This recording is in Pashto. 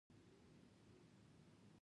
د شپې لخوا د سفر کول کم وي.